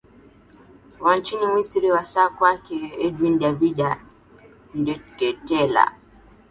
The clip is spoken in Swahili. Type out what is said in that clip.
wa nchini misri wasaa kwake edwin david ndeketela